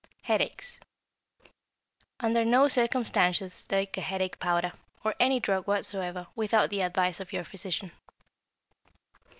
=Headaches.= Under no circumstances take a headache powder, or any drug whatsoever, without the advice of your physician.